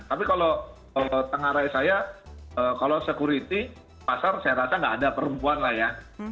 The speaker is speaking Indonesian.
tapi kalau tengah raya saya kalau security pasar saya rasa nggak ada perempuan lah ya